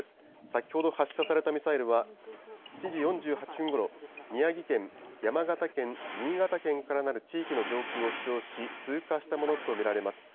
先ほど発射されたミサイルは、７時４８分ごろ、宮城県、山形県、新潟県からなる地域の上空を飛しょうし、通過したものと見られます。